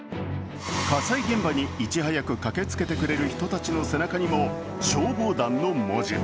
火災現場にいち早く駆けつけてくれる人たちの背中にも消防団の文字。